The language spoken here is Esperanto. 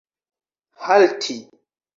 halti